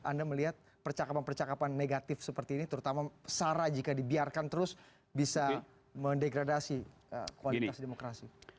anda melihat percakapan percakapan negatif seperti ini terutama sara jika dibiarkan terus bisa mendegradasi kualitas demokrasi